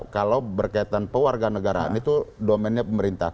kalau berkaitan pewarga negaraan itu domennya pemerintah